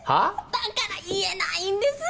だから言えないんですね。